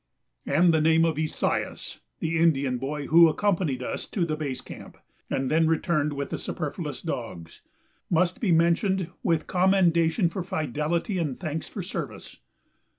And the name of Esaias, the Indian boy who accompanied us to the base camp, and then returned with the superfluous dogs, must be mentioned, with commendation for fidelity and thanks for service.